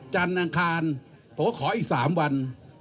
จันทร์อังคารผมขออีก๓วัน